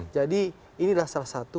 jadi inilah salah satu